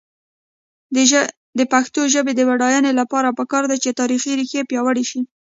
د پښتو ژبې د بډاینې لپاره پکار ده چې تاریخي ریښې پیاوړې شي.